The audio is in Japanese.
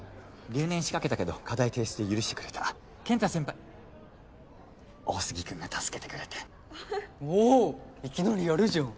留年しかけたけど課題提出で許してくれた健太先輩大杉君が助けてくれておおいきなりやるじゃん